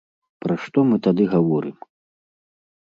Пра што мы тады гаворым?